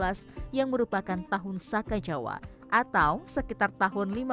sunan kalijaga merupakan anggota wali songo yang menjadi saksi hidup lahirnya kerajaan demak hingga runtuhnya kerajaan tersebut